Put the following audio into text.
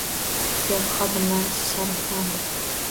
Tibbiyot xodimlari sharaflandi